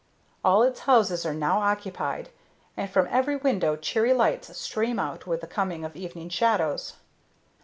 All its houses are now occupied, and from every window cheery lights stream out with the coming of evening shadows.